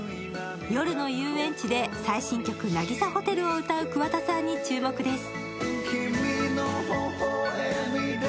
夜の遊園地で最新曲「なぎさホテル」を歌う桑田さんに注目です。